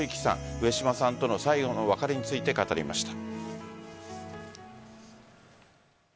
上島さんとの最後の別れについて語りました。